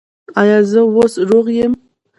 ایا زه اوس روغ یم؟